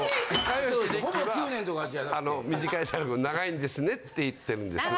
短いって長いんですねって言ってるんです。